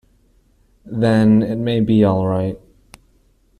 Then it may be all right.